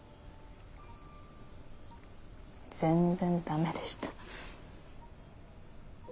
全然ダメでした。